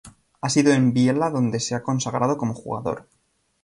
Ha sido en Biella donde se ha consagrado como jugador.